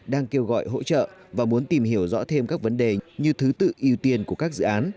đang kêu gọi hỗ trợ và muốn tìm hiểu rõ thêm các vấn đề như thứ tự ưu tiên của các dự án